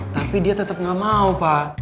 tapi dia tetap nggak mau pak